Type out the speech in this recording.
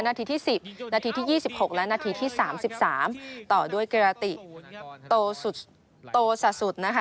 นาทีที่สิบนาทีที่ยี่สิบหกและนาทีที่สามสิบสามต่อด้วยเกราะติโตสุดโตสาสุดนะคะ